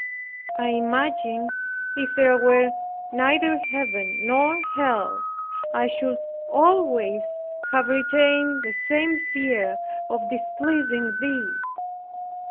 I imagine if there were neither Heaven nor Hell, I should always have retained the same fear of displeasing Thee.